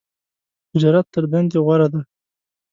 تجارت تر دندی غوره ده .